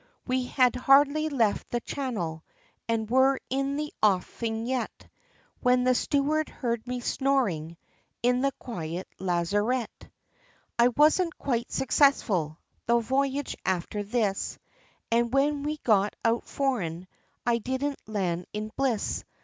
We had hardly left the Channel, and were in the offing yet, When the steward heard me snoring in the quiet lazarette. [Illustration: I found a Purse] It wasn't quite successful the voyage after this, And when we got out foreign, I didn't land in bliss.